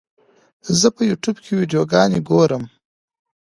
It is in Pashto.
زه په یوټیوب کې ویډیوګانې ګورم.